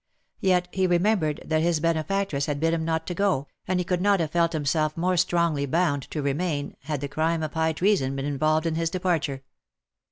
Yet he remembered that his benefactress had bid him not to go, and he could not have felt himself more strongly bound to remain, had the crime of high treason been involved in his departure.